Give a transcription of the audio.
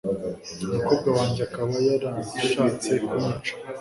umukobwa wanjye, akaba yarashatse kunyica